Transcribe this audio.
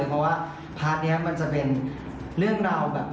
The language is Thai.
เพราะว่าพาร์ทนี้มันจะเป็นเรื่องราวแบบ